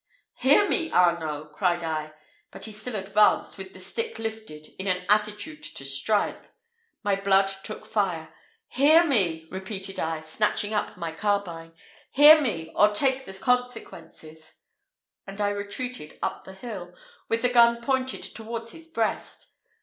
"Hear me, Arnault!" cried I; but he still advanced with the stick lifted, in an attitude to strike. My blood took fire. "Hear me," repeated I, snatching up my carbine, "hear me, or take the consequences;" and I retreated up the hill, with the gun pointed towards his breast.